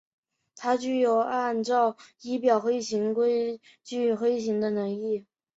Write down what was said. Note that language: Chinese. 它具有按照仪表飞行规则飞行的能力。